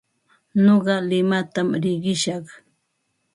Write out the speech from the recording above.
Nuqa limatam riqishaq.